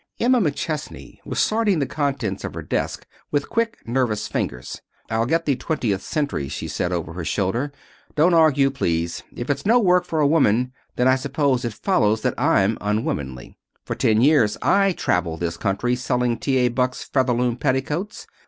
Emma McChesney was sorting the contents of her desk with quick, nervous fingers. "I'll get the Twentieth Century," she said, over her shoulder. "Don't argue, please. If it's no work for a woman then I suppose it follows that I'm unwomanly. For ten years I traveled this country selling T. A. Buck's Featherloom Petticoats.